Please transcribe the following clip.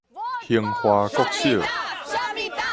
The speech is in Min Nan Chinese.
興華國小